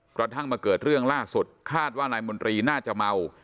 กระทั่งมาเกิดเรื่องล่าสุดคาดว่านายมนตรีน่าจะเมา